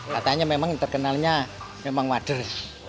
katanya memang terkenalnya memang waders